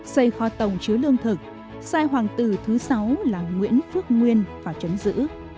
xây kho tổng chứa lương thực sai hoàng tử thứ sáu là nguyễn phước nguyên và chấn giữ